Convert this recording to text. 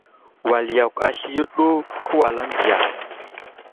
Wal yakw asliyo ɗu kəwalaŋ diya !